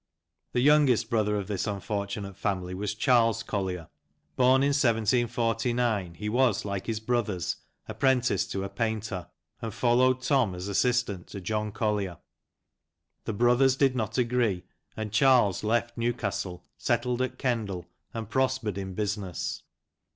The youngest brother of this unfortunate family was Charles Collier. Born in 1749, he was, like his brothers, apprenticed to a painter, and followed Tom as assistant to John Collier. The brothers did not agree, and Charles left Newcastle, settled at Kendal, and prospered in business.